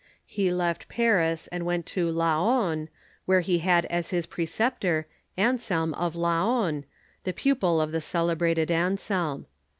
He left Paris, and went to Laon, where he had as his preceptor Anselm of Laon, the pupil of the celebrated Anselm.